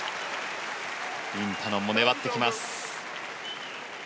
インタノンも粘ってきます。